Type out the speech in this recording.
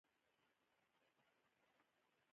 چې پر چترال له بلې لارې حمله وکړي.